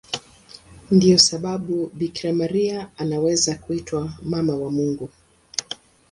Ndiyo sababu Bikira Maria anaweza kuitwa Mama wa Mungu.